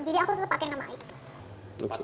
jadi aku tetap pakai nama itu